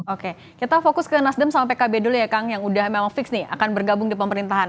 oke kita fokus ke nasdem sama pkb dulu ya kang yang udah memang fix nih akan bergabung di pemerintahan